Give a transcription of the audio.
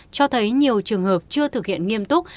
cho thấy nhiều trường hợp chưa thực hiện nghiêm túc